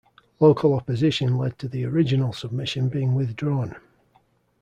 Local opposition led to the original submission being withdrawn.